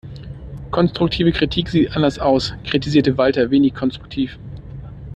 Konstruktive Kritik sieht anders aus, kritisierte Walter wenig konstruktiv.